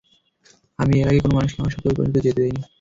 আমি এর আগে কোনো মানুষকে আমার সাথে ঐ পর্যন্ত যেতে দেইনি।